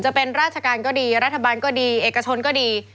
จะเป็นราชการก็ดีรัฐบาลก็ดีเอกชนก็ดี